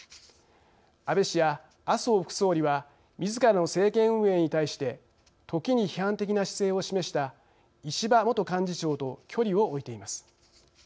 安倍氏や麻生副総理はみずからの政権運営に対して時に批判的な姿勢を示した石破元幹事長と距離を置いています。